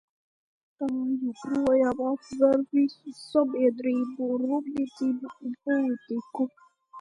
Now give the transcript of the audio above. Tā joprojām aptver visu sabiedrību, rūpniecību un politiku.